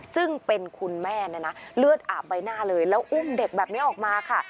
ซึ่งเป็นคุณแม่เนี่ยนะเลือดอาบใบหน้าเลยแล้วอุ้มเด็กแบบนี้ออกมาค่ะ